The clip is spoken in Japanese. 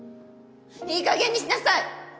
いいかげんにしなさい！